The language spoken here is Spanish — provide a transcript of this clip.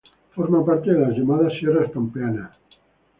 Forma parte de las llamadas Sierras Pampeanas.